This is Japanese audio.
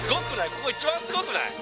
ここ一番すごくない？